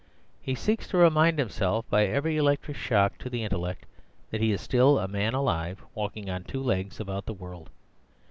He seeks to remind himself, by every electric shock to the intellect, that he is still a man alive, walking on two legs about the world.